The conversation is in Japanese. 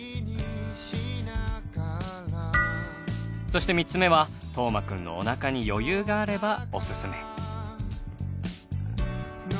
そして３つ目は斗真くんのおなかに余裕があればおすすめ。